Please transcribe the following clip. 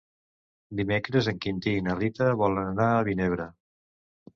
Dimecres en Quintí i na Rita volen anar a Vinebre.